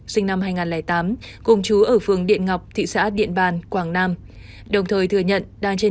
sinh năm hai nghìn tám cùng chú ở phường điện ngọc thị xã điện bàn quảng nam đồng thời thừa nhận đang trên